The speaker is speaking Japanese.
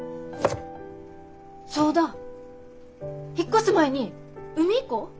そうだ引っ越す前に海行こう。